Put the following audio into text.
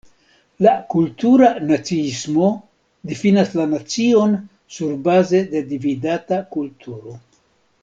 La "kultura naciismo" difinas la nacion surbaze de dividata kulturo.